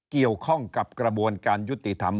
เกี่ยวข้องกับกระบวนการยุติธรรม